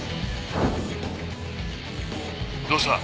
どうした？